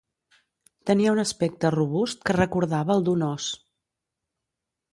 Tenia un aspecte robust que recordava el d'un ós.